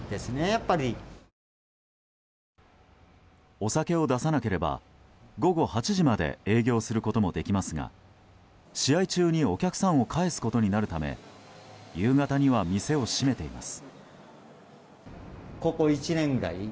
お酒を出さなければ午後８時まで営業することもできますが試合中にお客さんを帰すことになるため夕方には店を閉めています。